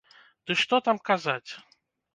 Ды што там казаць!